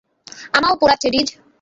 আমায়ও পোড়াচ্ছে, ডিজ।